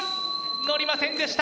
乗りませんでした。